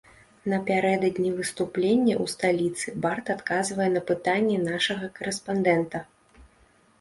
Напярэдадні выступлення ў сталіцы бард адказвае на пытанні нашага карэспандэнта.